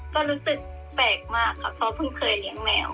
ก็รู้สึกแปลกมากค่ะเพราะเพิ่งเคยเลี้ยงแมว